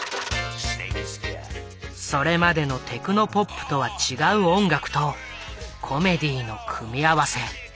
それまでのテクノポップとは違う音楽とコメディーの組み合わせ。